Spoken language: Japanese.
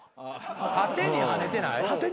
縦に跳ねてない？